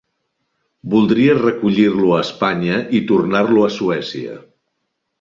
Voldria recollir-lo a Espanya i tornar-lo a Suècia.